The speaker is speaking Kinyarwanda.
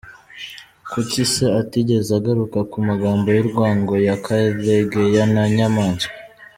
Kuki se atigeze agaruka ku magambo y’urwango ya Karegeya na Nyamwasa.